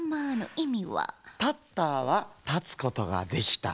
「タッタ」は「たつことができた」。